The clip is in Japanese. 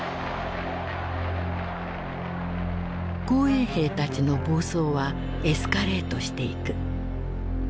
紅衛兵たちの暴走はエスカレートしていく。